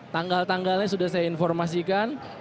tanggal tanggalnya sudah saya informasikan